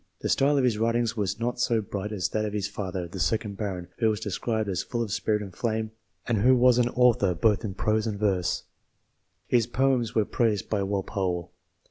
The style of his writings was not so bright as that of his father, the second baron, who was described as full of spirit and flame, and who was an author both in prose and verse ; his poems were praised by Walpole.